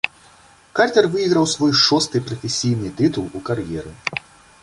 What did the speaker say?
Картэр выйграў свой шосты прафесійны тытул у кар'еры.